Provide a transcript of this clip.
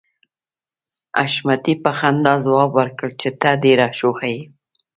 حشمتي په خندا ځواب ورکړ چې ته ډېره شوخه يې